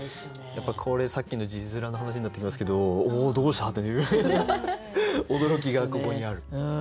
これさっきの字面の話になってきますけどおおどうした？っていう驚きがここにある。